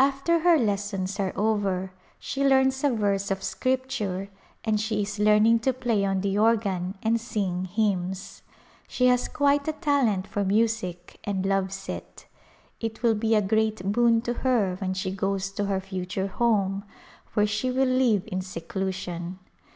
After her lessons are over she learns a verse of Scripture and she is learning to play on the organ and sing hymns. She has quite a talent for music and loves it. It will be a great boon to her when she goes to her future home where she will live in seclusion.